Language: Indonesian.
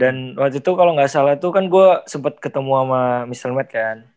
dan waktu itu kalo gak salah tuh kan gue sempet ketemu sama mr matt kan